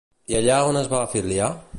I allà on es va afiliar?